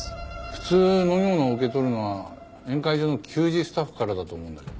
普通飲み物を受け取るのは宴会場の給仕スタッフからだと思うんだけど。